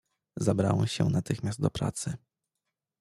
"Zabrałem się natychmiast do pracy."